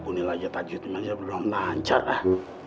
aku ini lah jatah jatuhnya belum lancar ah